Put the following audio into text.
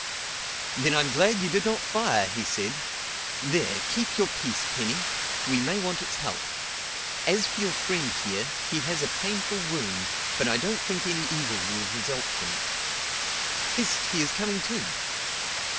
"Then I'm glad you did not fire!" he said. "There, keep your piece, Penny; we may want its help. As for our friend here, he has a painful wound, but I don't think any evil will result from it. Hist, he is coming to!"